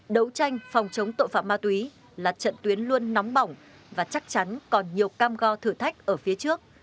đấu tranh phòng chống tội phạm ma túy là trận tuyến luôn nóng bỏng và chắc chắn còn nhiều cam go thử thách ở phía trước